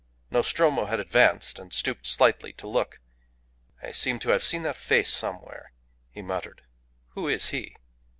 Nostromo had advanced, and stooped slightly to look. "I seem to have seen that face somewhere," he muttered. "Who is he?"